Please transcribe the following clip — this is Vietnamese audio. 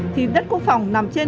thì đất quốc phòng nằm trên mạng